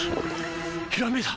ひらめいた！